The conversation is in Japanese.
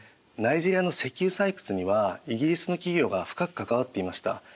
ナイジェリアの石油採掘にはイギリスの企業が深く関わっていました。